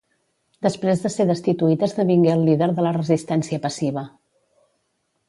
Després de ser destituït esdevingué el líder de la resistència passiva.